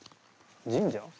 神社？